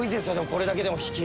これだけでも引き。